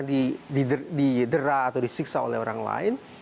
mereka tidak pernah didera atau disiksa oleh orang lain